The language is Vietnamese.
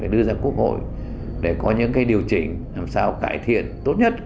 đưa ra quốc hội để có những điều chỉnh làm sao cải thiện tốt nhất